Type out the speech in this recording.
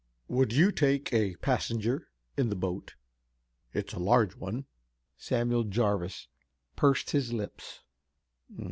"Would you take a passenger in the boat? It's a large one." Samuel Jarvis pursed his lips.